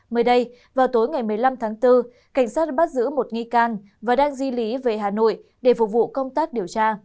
mới đây vào tối ngày một mươi năm tháng bốn cảnh sát đã bắt giữ một nghi can và đang di lý về hà nội để phục vụ công tác điều tra